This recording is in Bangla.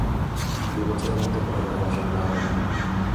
দুই বছরের মধ্যে কোনোরকম অসুবিধা হবে না।